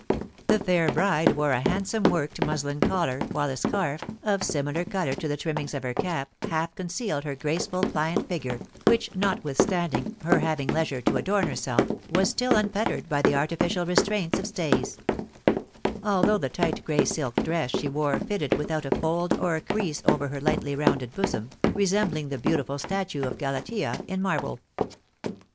The fair bride wore a handsome worked muslin collar, while a scarf, of similar colour to the trimmings of her cap, half concealed her graceful, pliant figure, which, notwithstanding her having leisure to adorn herself, was still unfettered by the artificial restraints of stays; although the tight gray silk dress she wore fitted without a fold or a crease over her lightly rounded bosom, resembling the beautiful statue of Galatea in marble.